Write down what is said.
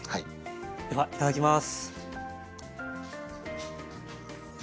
ではいただきます。